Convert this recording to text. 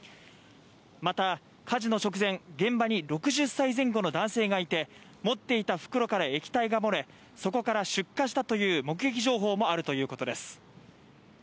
また火事の直前、現場に６０歳前後の男性がいて持っていた袋から液体が漏れ、そこから出火したという目撃情報もあるということです。